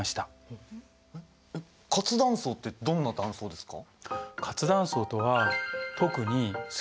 活断層ってどんな断層ですか？